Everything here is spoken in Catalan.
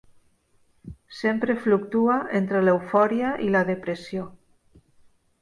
Sempre fluctua entre l'eufòria i la depressió.